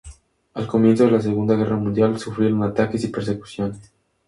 Al comienzo de la Segunda Guerra Mundial, sufrieron ataques y persecución.